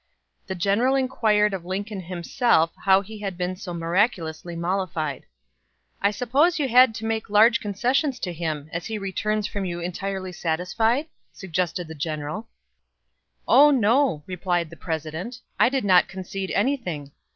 The general inquired of Lincoln himself how he had been so miraculously mollified. "I suppose you had to make large concessions to him, as he returns from you entirely satisfied?" suggested the general. "Oh, no," replied the President, "I did not concede anything.